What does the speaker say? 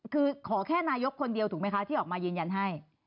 คือขอแค่นายกคนเดียวถูกไหมคะที่ออกมายืนยันให้